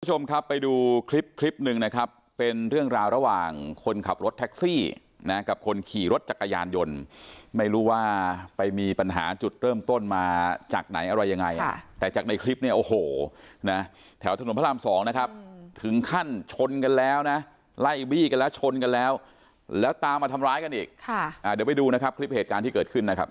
คุณผู้ชมครับไปดูคลิปคลิปหนึ่งนะครับเป็นเรื่องราวระหว่างคนขับรถแท็กซี่นะกับคนขี่รถจักรยานยนต์ไม่รู้ว่าไปมีปัญหาจุดเริ่มต้นมาจากไหนอะไรยังไงแต่จากในคลิปเนี่ยโอ้โหนะแถวถนนพระรามสองนะครับถึงขั้นชนกันแล้วนะไล่บี้กันแล้วชนกันแล้วแล้วตามมาทำร้ายกันอีกค่ะอ่าเดี๋ยวไปดูนะครับคลิปเหตุการณ์ที่เกิดขึ้นนะครับ